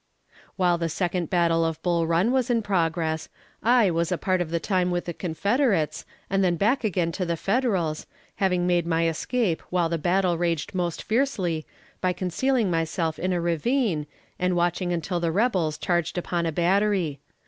While the second battle of Bull Run was in progress, I was a part of the time with the Confederates, and then back again to the Federals, having made my escape while the battle raged most fiercely by concealing myself in a ravine, and watching until the rebels charged upon a battery.